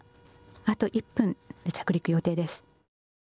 あと１分で着陸予定です。